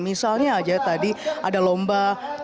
misalnya tadi ada lomba